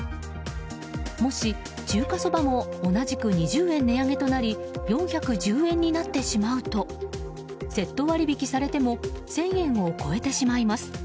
もし、中華そばも同じく２０円値上げとなり４１０円になってしまうとセット割引されても１０００円を超えてしまいます。